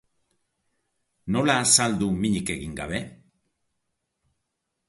Nola azaldu minik egin gabe?